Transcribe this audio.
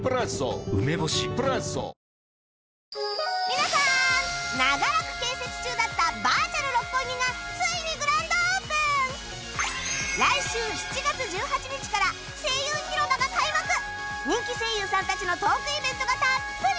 皆さん！長らく建設中だったバーチャル六本木がついにグランドオープン！来週７月１８日から声優ひろばが開幕！人気声優さんたちのトークイベントがたっぷり！